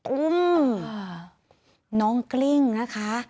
อุ้มน้องกลิ้งนะคะ